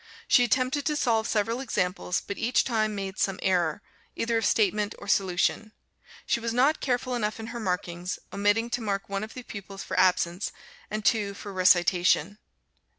She attempted to solve several examples, but each time made some error, either of statement or solution. She was not careful enough in her markings, omitting to mark one of the pupils for absence, and two for recitation.